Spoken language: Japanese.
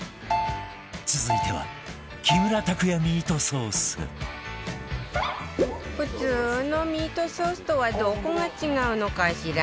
続いては木村拓哉ミートソース普通のミートソースとはどこが違うのかしら？